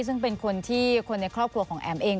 ซึ่งเป็นคนที่คนในครอบครัวของแอ๋มเอง